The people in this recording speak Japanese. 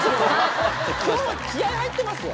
今日気合入ってますよ！